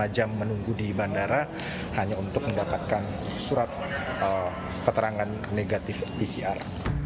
lima jam menunggu di bandara hanya untuk mendapatkan surat keterangan negatif pcr